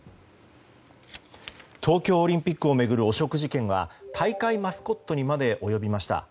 東京オリンピックを巡る汚職事件は大会マスコットにまで及びました。